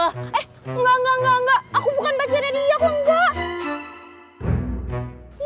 eh enggak enggak enggak aku bukan pacarnya dia kok enggak